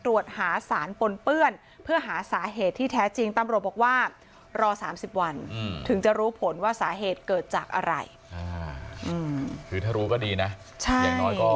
ตรวจหาสารปนเปื้อนเพื่อหาสาเหตุที่แท้จริง